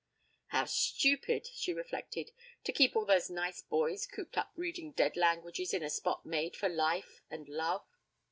'How stupid,' she reflected, 'to keep all those nice boys cooped up reading dead languages in a spot made for life and love.'